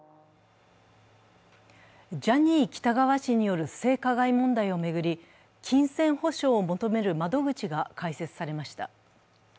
ジャニー喜多川氏による性加害問題を巡り金銭補償を求める窓口が開設されました。